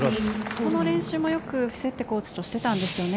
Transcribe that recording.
この練習もよくフィテッセコーチとしてたんですよね。